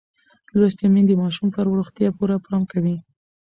لوستې میندې د ماشوم پر روغتیا پوره پام کوي.